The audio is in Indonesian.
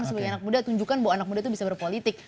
sebagai anak muda tunjukkan bahwa anak muda itu bisa berpolitik